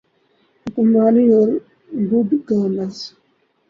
حکمرانی اورگڈ گورننس۔